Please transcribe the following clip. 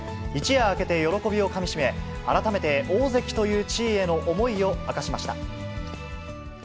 一夜明けて喜びをかみしめ、改めて大関という地位への思いを明かしました。